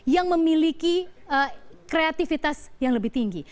yang memiliki kreativitas yang lebih tinggi